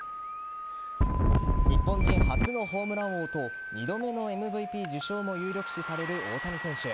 日本人初のホームラン王と２度目のＭＶＰ受賞も有力視される大谷選手。